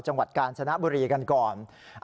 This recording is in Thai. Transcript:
จังหวัดกาญชนะบุรีกันก่อน